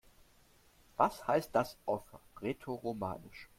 Was heißt das auf Rätoromanisch?